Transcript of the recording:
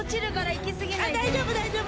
大丈夫大丈夫！